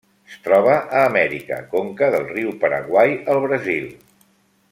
Es troba a Amèrica: conca del riu Paraguai al Brasil.